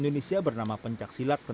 dan juga olimpiade